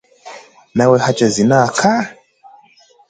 Nawe acha dhihaka